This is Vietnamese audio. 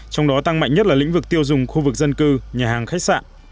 trong đó tăng mạnh nhất là lĩnh vực tiêu dùng khu vực dân cư nhà hàng khách sạn